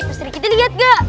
pak sergiti liat gak